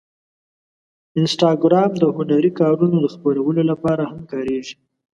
انسټاګرام د هنري کارونو د خپرولو لپاره هم کارېږي.